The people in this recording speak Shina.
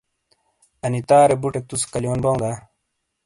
انی تارے بُٹے تُوسے کلیون بَوں دا؟